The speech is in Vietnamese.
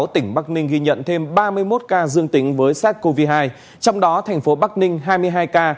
tỉnh bắc ninh ghi nhận thêm ba mươi một ca dương tính với sars cov hai trong đó thành phố bắc ninh hai mươi hai ca